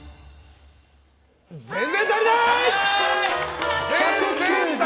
全然足りない！